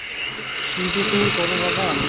কি যে তুমি করো বাবা!